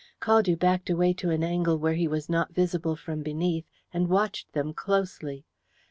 Caldew backed away to an angle where he was not visible from beneath, and watched them closely.